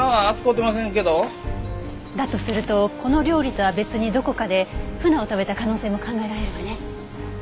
だとするとこの料理とは別にどこかで鮒を食べた可能性も考えられるわね。